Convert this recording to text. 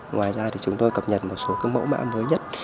ngoài ra thì chúng tôi cập nhật một số mẫu mã mới nhất